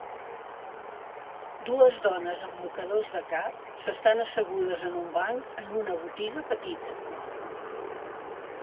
Dues dones amb mocadors de cap s'estan assegudes en un banc en una botiga petita.